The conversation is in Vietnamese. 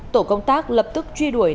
tổ công tác lập tức truy đuổi